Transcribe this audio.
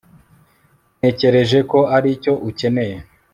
natekereje ko aricyo ukeneye